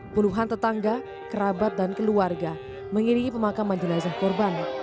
puluhan tetangga kerabat dan keluarga mengiringi pemakaman jenazah korban